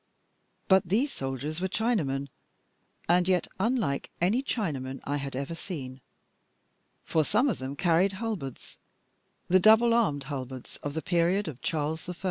But these soldiers were Chinamen, and yet unlike any Chinamen I had ever seen; for some of them carried halberds, the double armed halberds of the period of Charles I.